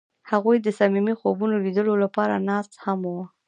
هغوی د صمیمي خوبونو د لیدلو لپاره ناست هم وو.